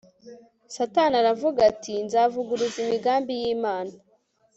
Satani aravuga ati Nzavuguruza imigambi yImana